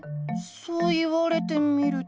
そう言われてみると。